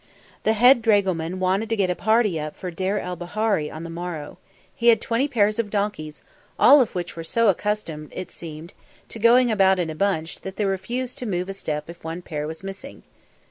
The head dragoman wanted to get up a party for Deir el Bahari on the morrow. He had twenty pairs of donkeys, all of which were so accustomed, it seemed, to going about in a bunch that they refused to move a step if one pair was missing.